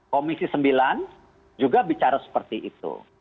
komisi sembilan juga bicara seperti itu